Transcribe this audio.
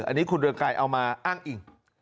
อันนี้คุณเรืองไกรเอามาอ้างอิง